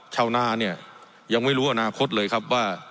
ชาวนาเนี่ยยังไม่รู้อนาคตเลยครับว่า